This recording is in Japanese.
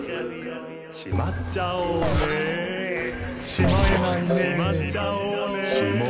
しまえないね。